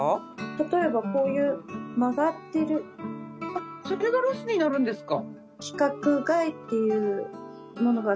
例えばこういう曲がってる。それがロスになるんですか。